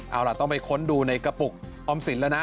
เอาล่ะต้องไปค้นดูในกระปุกออมสินแล้วนะ